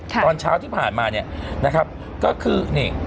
ตอนเช้าที่ผ่านมาเนี่ยนะครับก็คือนี่